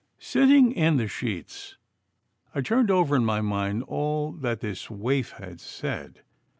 Sitting in the sheets, I turned over in my mind all that this waif had said.